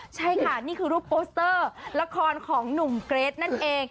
ใช่ค่ะนี่คือรูปโปสเตอร์ละครของหนุ่มเกรทนั่นเอง